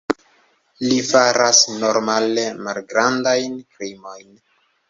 Li faras normale malgrandajn krimojn.